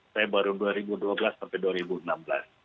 saya baru dua ribu dua belas sampai dua ribu enam belas